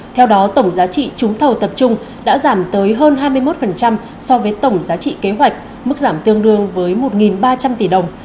theo đó tổng giá trị trúng thầu tập trung đã giảm tới hơn hai mươi một so với tổng giá trị kế hoạch mức giảm tương đương với một ba trăm linh tỷ đồng